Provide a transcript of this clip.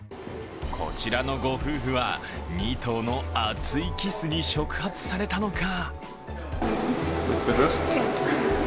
こちらの御夫婦は２頭の熱いキスに触発されたのか